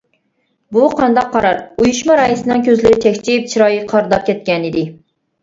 -بۇ قانداق قارار-ئۇيۇشما رەئىسىنىڭ كۆزلىرى چەكچىيىپ، چىرايى قارىداپ كەتكەنىدى.